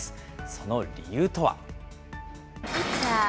その理由とは。